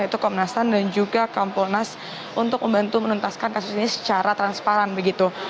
yaitu komnasan dan juga kompolnas untuk membantu menuntaskan kasus ini secara transparan begitu